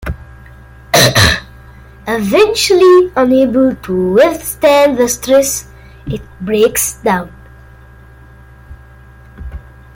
Eventually, unable to withstand the stress, it breaks down.